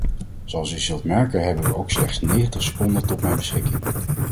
Zoals u zult merken heb ook ik slechts negentig seconden tot mijn beschikking.